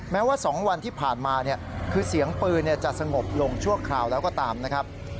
แม้ว่า๒วันที่ผ่านมาคือเสียงปืนจะสงบลงชั่วคราวแล้วก็ตามนะครับ